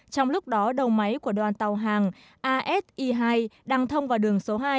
trong lúc đó đầu máy của đoàn tàu hàng asi hai đang thông vào đường số hai